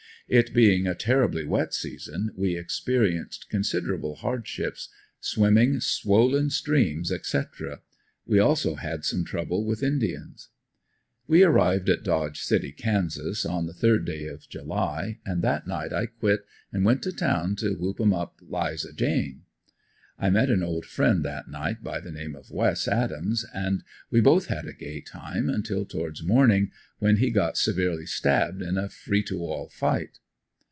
It being a terribly wet season we experienced considerable hardships, swimming swollen streams, etc. We also had some trouble with indians. We arrived in Dodge City, Kansas on the third day of July and that night I quit and went to town to "whoop 'em up Liza Jane." I met an old friend that night by the name of "Wess" Adams and we both had a gay time, until towards morning when he got severely stabbed in a free to all fight.